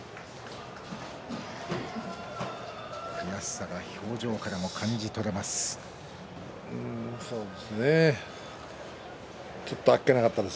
悔しさが表情からも感じ取れます。